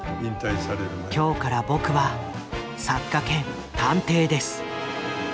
今日から僕は作家兼探偵です」。